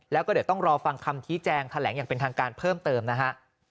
แล้วก็เดี๋ยวต้องรอฟังคำชี้แจงแถลงอย่างเป็นทางการเพิ่มเติมนะฮะ